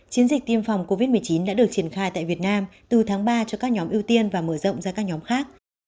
chiến dịch tiêm phòng covid một mươi chín đã được triển khai tại việt nam từ tháng ba cho các nhóm ưu tiên và mở rộng ra các nhóm khác